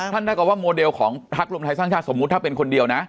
ท่านเรียกว่าโมเดลของภักดิ์รวมไทยท่างชาติสมมุติถ้าเป็นคนเดียวนะ